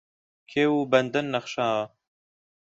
کێو و بەندەن نەخشاوە